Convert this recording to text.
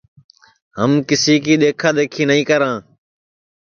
ہم کِسی کی دؔیکھا دؔیکھی نائی کراں